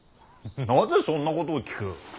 なぜそんなことを聞く。